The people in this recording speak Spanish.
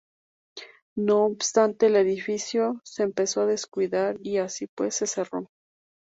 No obstante, el edificio se empezó a descuidar y así pues se cerró.